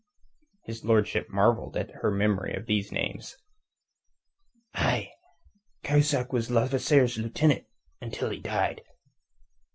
His lordship marvelled at her memory of these names. "Aye. Cahusac was Levasseur's lieutenant, until he died."